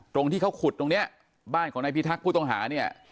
ตรงที่เขาขุดตรงนี้บ้านของนายพิทักษ์ผู้ต้องหาเนี่ย